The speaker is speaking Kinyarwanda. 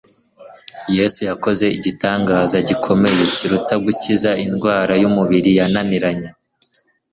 Yesu yakoze igitangaza gikomeye kiruta gukiza indwara y'umubiri yananiranye;